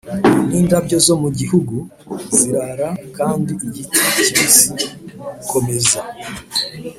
nindabyo zo mugihugu zirara kandi igiti kibisi komeza.